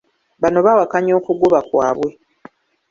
Bano bawakanya okugobwa kwabwe.